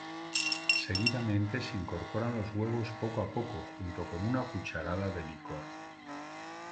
Seguidamente se incorporan los huevos poco a poco, junto con una cucharada de licor.